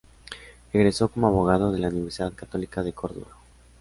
Egresó como abogado de la Universidad Católica de Córdoba.